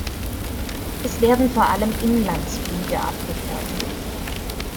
Es werden vor allem Inlandsflüge abgefertigt.